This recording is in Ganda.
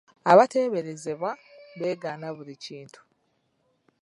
Abateeberezebwa beegaana buli kintu.